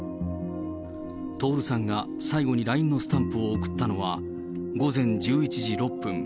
徹さんが最後にＬＩＮＥのスタンプを送ったのは、午前１１時６分。